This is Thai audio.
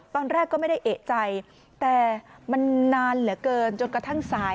ตอนแรกก็ไม่ได้เอกใจแต่มันนานเหลือเกินจนกระทั่งสาย